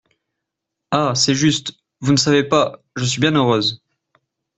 Ah ! c’est juste… vous ne savez pas… je suis bien heureuse !…